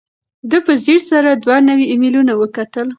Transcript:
ده په ځیر سره دوه نوي ایمیلونه وکتل.